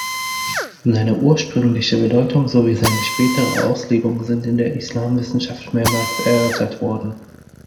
Seine ursprüngliche Bedeutung sowie seine spätere Auslegung sind in der Islamwissenschaft mehrmals erörtert worden.